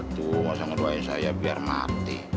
tidak perlu doain saya supaya mati